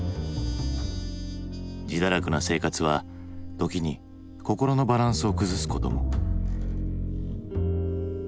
自堕落な生活は時に心のバランスを崩すことも。